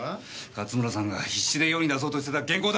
勝村さんが必死で世に出そうとしてた原稿だ。